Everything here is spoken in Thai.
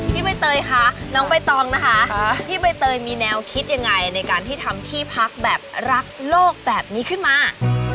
ใบเตยคะน้องใบตองนะคะพี่ใบเตยมีแนวคิดยังไงในการที่ทำที่พักแบบรักโลกแบบนี้ขึ้นมา